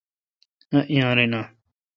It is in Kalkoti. ایّیارینہ